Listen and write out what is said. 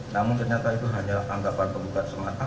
namun ternyata itu hanyalah anggapan penggugat semata